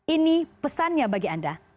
ini pesannya bagi anda